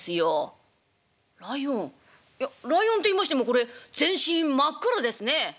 「ライオンいやライオンっていいましてもこれ全身真っ黒ですね」。